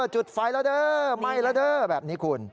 จุดไฟละเด้อไหม่ละเด้อแบบนี้คุณ